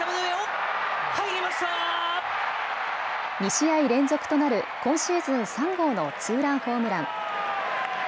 ２試合連続となる今シーズン３号のツーランホームラン。